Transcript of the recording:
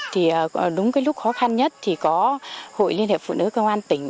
thì đúng cái lúc khó khăn nhất thì có hội liên hiệp phụ nữ công an tỉnh